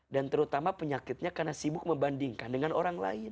dan terutama penyakitnya karena sibuk membandingkan dengan orang lain